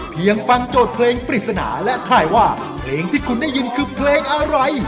ฟังโจทย์เพลงปริศนาและถ่ายว่าเพลงที่คุณได้ยินคือเพลงอะไร